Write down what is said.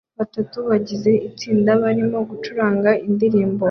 Batanu bagize itsinda barimo gucuranga indirimbo